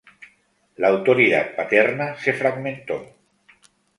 La autoridad paterna se fragmentó.